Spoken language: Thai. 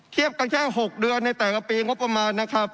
กันแค่๖เดือนในแต่ละปีงบประมาณนะครับ